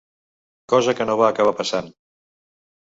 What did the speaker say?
Cosa que no va acabar passant.